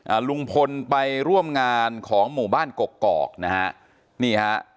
อ่าลุงพลไปร่วมงานของหมู่บ้านกกอกนะฮะนี่ฮะ